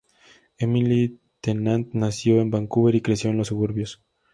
Emily Tennant nació en Vancouver y creció en los suburbios.